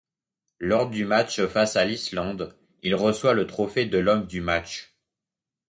Lors du match face à l'Islande, il reçoit le trophée de l'homme du match.